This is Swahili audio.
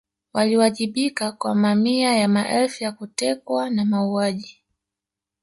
Waliwajibika kwa mamia ya maelfu ya kutekwa na mauaji